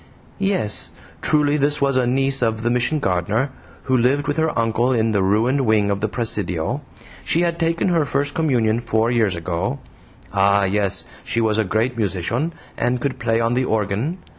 "YES! truly this was a niece of the Mission gardener, who lived with her uncle in the ruined wing of the presidio. She had taken her first communion four years ago. Ah, yes, she was a great musician, and could play on the organ.